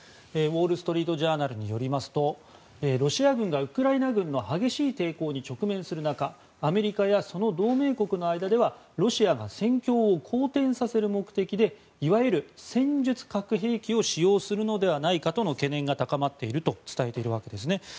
ウォール・ストリート・ジャーナルによりますとロシア軍がウクライナ軍の激しい抵抗に直面する中アメリカやその同盟国の間ではロシアが戦況を好転させる目的でいわゆる戦術核兵器を使用するのではないかとの懸念が高まっていると伝えているわけです。